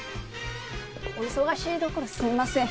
お忙しいところすみません。